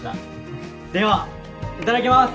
ではいただきます！